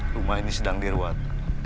rumah ini sedang diruat